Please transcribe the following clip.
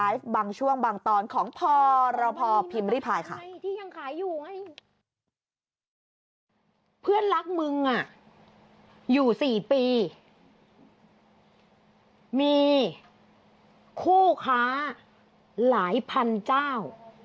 อยู่สี่ปีมีคู่ค้าหลายพันเจ้า